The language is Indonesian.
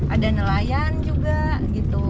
ada nelayan juga gitu